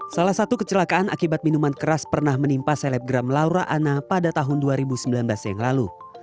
salah satu kecelakaan akibat minuman keras pernah menimpa selebgram laura anna pada tahun dua ribu sembilan belas yang lalu